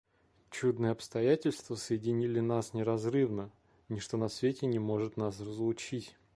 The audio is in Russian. Чудные обстоятельства соединили нас неразрывно: ничто на свете не может нас разлучить».